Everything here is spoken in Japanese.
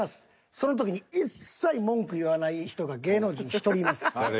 その時に一切文句言わない人が芸能人に１人います。